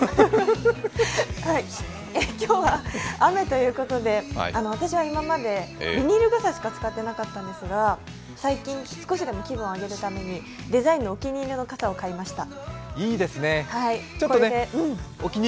今日は雨ということで、私は今までビニール傘しか使っていなかったんですが最近、少しでも気分を上げるためにデザインのお気に入りの傘を買いました。